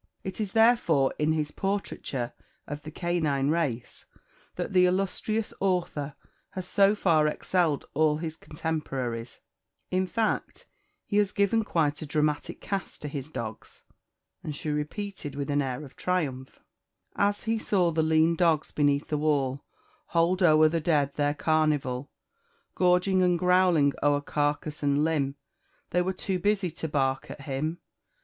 It is therefore in his portraiture of the canine race that the illustrious author has so far excelled all his contemporaries in fact, he has given quite a dramatic cast to his dogs," and she repeated, with an air of triumph "And he saw the lean dogs beneath the wall, Hold o'er the dead their carnival; Gorging and growling o'er carcase and limb, They were too busy to bark at him!